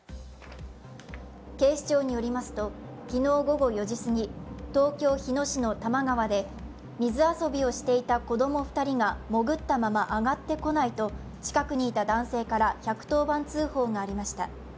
警視庁によりますと、昨日午後４時すぎ、東京・日野市の多摩川で水遊びをしていた子供２人が潜ったまま浮かび上がってこないと近くにいた男性から１１０番通報がありました。